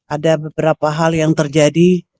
ada beberapa hal yang terjadi